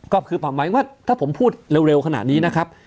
ก็คือหมายว่าถ้าผมพูดเร็วขนาดนี้นะครับ